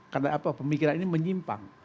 karena apa pemikiran ini menyimbang